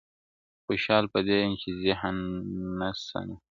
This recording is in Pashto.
خوشحال په دې يم چي ذهين نه سمه.